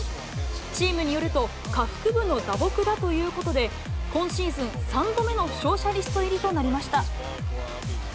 チームによると、下腹部の打撲だということで、今シーズン３度目の負傷者リスト入りとなりました。